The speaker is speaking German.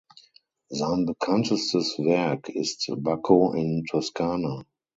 Sein bekanntestes Werk ist "Bacco in Toscana".